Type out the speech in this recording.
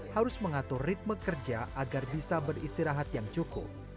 harus mengatur ritme kerja agar bisa beristirahat yang cukup